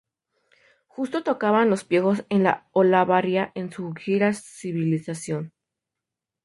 Justo tocaban Los Piojos en Olavarría en su Gira Civilización.